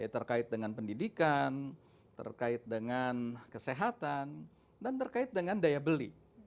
terkait dengan pendidikan terkait dengan kesehatan dan terkait dengan daya beli